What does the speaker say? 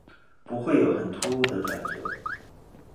不会有很突兀的转折